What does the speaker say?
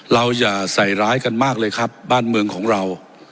อย่าใส่ร้ายกันมากเลยครับบ้านเมืองของเรา